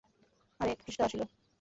আর এক পৃষ্ঠা আসিল, তাহাও উলটান হইল।